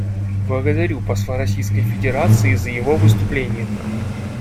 Благодарю посла Российской Федерации за его выступление.